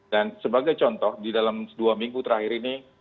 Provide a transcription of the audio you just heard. dan sebagai contoh di dalam dua minggu terakhir ini